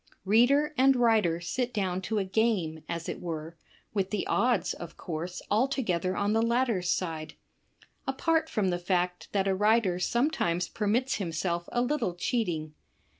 Reader and writer sit down to a game, as it were, with the odds, of course, altogether on the latter's side, — apart from the fact that a writer sometimes permits him self a little cheating.